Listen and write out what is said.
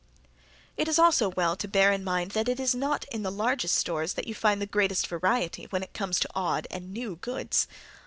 It is also well to bear in mind that it is not in the largest stores that you find the greatest variety when it comes to odd and new goods.